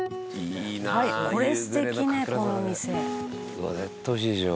「うわっ絶対おいしいでしょ」